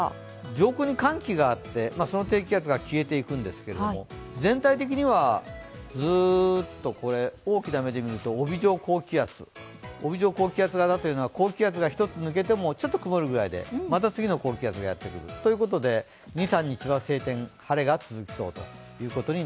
上空に寒気があって低気圧が消えていくんですけど全体的にはずーっと大きな目で見ると帯状高気圧、高気圧が一つ抜けてもちょっと曇るぐらいで、また次の高気圧がやってくる、ということで２３日は晴天、晴れが続きそうです